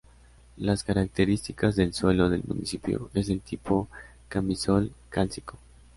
Las características del suelo del municipio es del tipo cambisol cálcico.